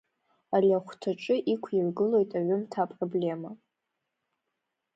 Ари ахәҭаҿы иқәиргылоит аҩымҭа апроблема.